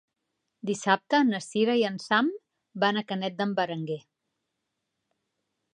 Dissabte na Cira i en Sam van a Canet d'en Berenguer.